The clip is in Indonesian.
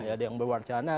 ada yang berwacana